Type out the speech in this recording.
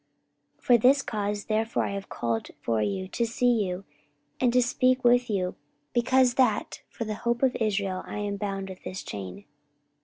44:028:020 For this cause therefore have I called for you, to see you, and to speak with you: because that for the hope of Israel I am bound with this chain.